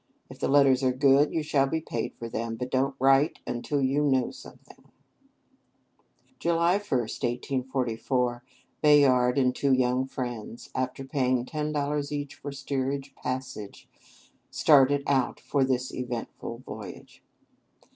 If the letters are good, you shall be paid for them; but don't write until you know something." July 1, 1844, Bayard and two young friends, after paying ten dollars each for steerage passage, started out for this eventful voyage.